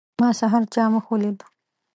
ما سحر چا مخ ولید.